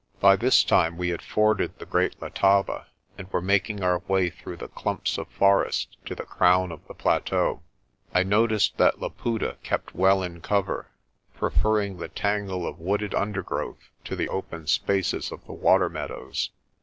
By this time we had forded the Great Letaba, and were making our way through the clumps of forest to the crown of the plateau. I noticed that Laputa kept well in cover, preferring the tangle of wooded undergrowth to the open spaces of the water meadows.